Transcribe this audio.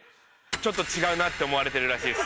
ちょっと違うなって思われてるらしいです。